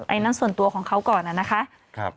อันนั้นส่วนตัวของเขาก่อนนะคะ